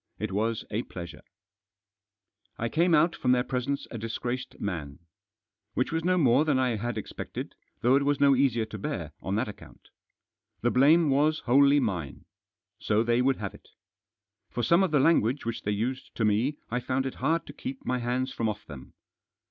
It was a pleasure! I came out from their presence a disgraced man. Which was no more than I had expected, though it was no easier to bear on that account. The blame was wholly mine. So they would have it. For some of the language which they used to me I found it hard to keep my hands from off them.